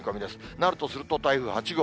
なるとすると台風８号。